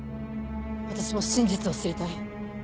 私も真実を知りたい。